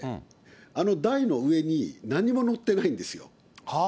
あの台の上になんにも載ってないんですよ。